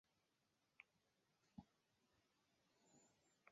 道路与北关东自动车道并行。